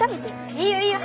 いいよいいよ。